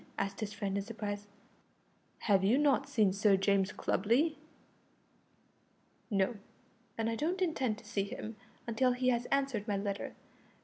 asked his friend in surprise, "have you not seen Sir James Clubley?" "No, and I don't intend to see him until he has answered my letter.